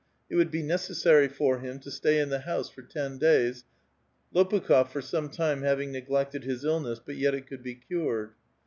It would be necessary for him to sta}' in the house for ten days, Lopukh6f for some time having neglected his illness, but yet it could be cured.